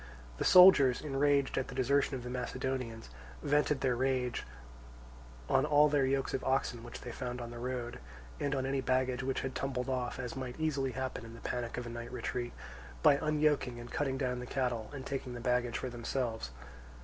The soldiers, enraged at the desertion of the Macedonians, vented their rage on all their yokes of oxen which they found on the road, and on any baggage which had tumbled off (as might easily happen in the panic of a night retreat), by unyoking and cutting down the cattle and taking the baggage for themselves.